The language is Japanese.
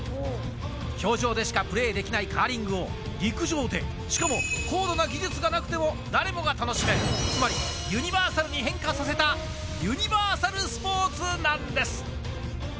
氷上でしかプレーできないカーリングを、陸上で、しかも高度な技術がなくても、誰もが楽しめる、つまり、ユニバーサルに変化させた、ユニバーサルスポーツなんです。